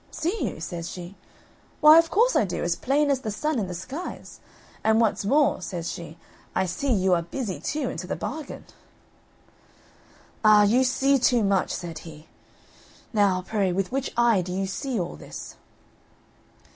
"See you," says she, "why, of course I do, as plain as the sun in the skies, and what's more," says she, "I see you are busy too, into the bargain." "Ah, you see too much," said he; "now, pray, with which eye do you see all this?"